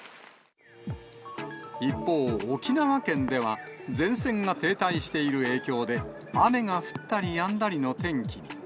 一方、沖縄県では、前線が停滞している影響で、雨が降ったりやんだりの天気に。